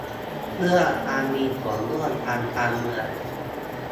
เพื่อการมีส่วนร่วมทางการเมือง